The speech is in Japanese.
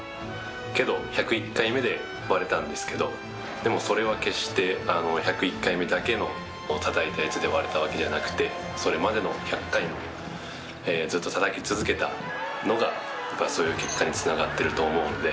でもそれは決して１０１回目だけのたたいたやつで割れたわけじゃなくてそれまでの１００回のずっとたたき続けたのがそういう結果に繋がってると思うので。